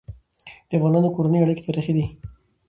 د افغانانو کورنی اړيکي تاریخي دي.